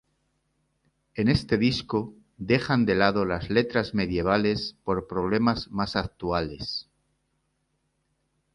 En este disco dejan de lado las letras medievales por problemas más actuales.